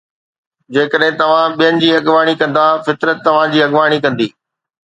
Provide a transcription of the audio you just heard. جيڪڏھن توھان ٻين جي اڳواڻي ڪندا، فطرت توھان جي اڳواڻي ڪندي